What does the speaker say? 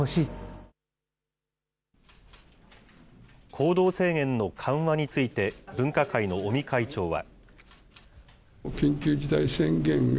行動制限の緩和について、分科会の尾身会長は。